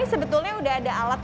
seperti ini sudah eher tepat